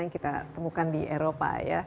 yang kita temukan di eropa ya